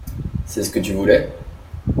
C’est ce que tu voulais?